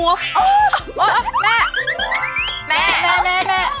โอ้ยแม่แม่